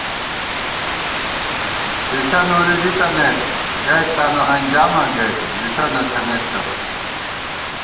دِݪہ نوری دِتَنَئیت، گئیت تانُو انجاماں گَئیت، ژِݪہ نہ تھنَئیت کرہ